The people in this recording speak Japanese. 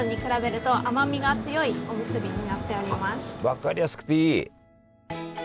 分かりやすくていい！